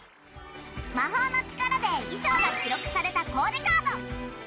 魔法の力で衣装が記録されたコーデカード。